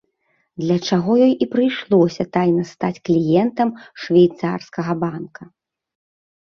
Для чаго ёй і прыйшлося тайна стаць кліентам швейцарскага банка.